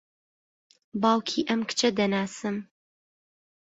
باوکی ئەم کچە دەناسم.